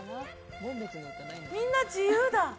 みんな自由だ。